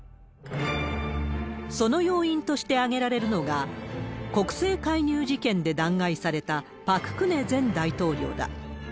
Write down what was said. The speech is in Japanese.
その要因として挙げられるのが、国政介入事件で弾劾されたパク・クネ前大統領だ。